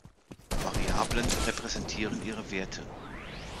Variablen repräsentieren ihre Werte.